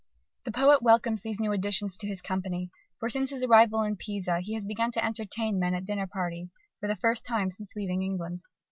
The poet welcomes these new additions to his company: for, since his arrival in Pisa, he has begun to entertain men at dinner parties, for the first time since leaving England.